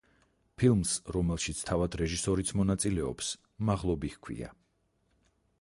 ფილმს, რომელშიც თავად რეჟისორიც მონაწილეობს, „მაღლობი“ ჰქვია.